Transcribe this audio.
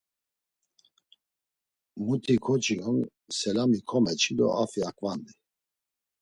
Muti ǩoçi on, selami komeçi do affi aǩvandi.